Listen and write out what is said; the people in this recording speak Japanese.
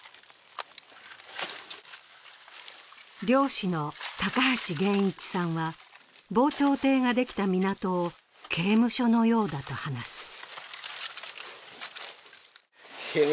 漁師の高橋源一さんは、防潮堤ができた港を刑務所のようだと話す。